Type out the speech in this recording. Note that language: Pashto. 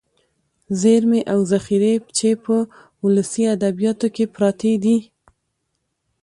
ذېرمې او ذخيرې چې په ولسي ادبياتو کې پراتې دي.